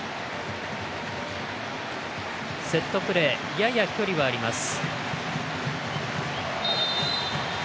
セットプレーやや距離はあります。